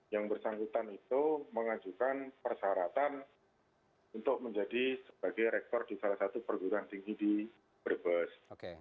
yang bersangkutan itu mengajukan persyaratan untuk menjadi sebagai rektor di salah satu perguruan tinggi di brebes